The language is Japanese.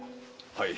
はい。